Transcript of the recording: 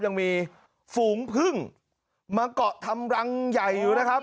ยังมีฝูงพึ่งมาเกาะทำรังใหญ่อยู่นะครับ